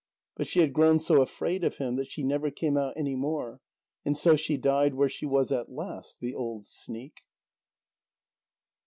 But she had grown so afraid of him that she never came out any more, and so she died where she was at last the old sneak!